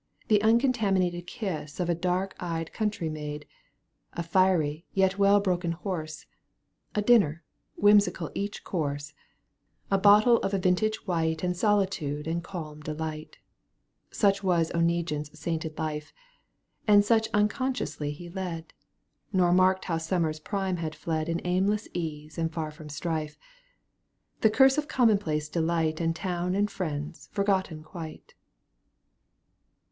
The uncontaminated kiss Of a young dark eyed country maid, A fiery, yet well broken horse, A dinner, whimsical each course, A bottle of a vintage white And solitude and calm deUght. Such was Oneguine's sainted life. And such unconsciously he led. Nor marked how summer's prime had fled In aimless ease and far from strife. The curse of commonplace delight And town and friends forgotteu quite.